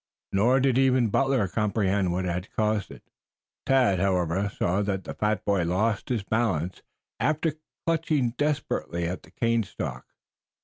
Nor did even Butler comprehend what had caused it. Tad, however, saw the fat boy lose his balance after clutching desperately at the cane stalk.